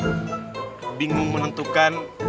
siapa laki laki yang mau sholat isi horoh